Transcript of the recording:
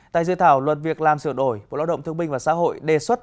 tại dưới thảo luật việc làm sự đổi bộ lao động thương minh và xã hội đề xuất